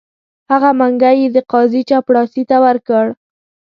هغه منګی یې د قاضي چپړاسي ته ورکړ.